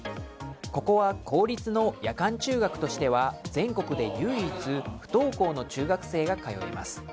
ここは、公立の夜間中学としては全国で唯一不登校の中学生が通えます。